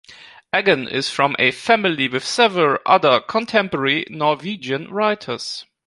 Eggen is from a family with several other contemporary Norwegian writers.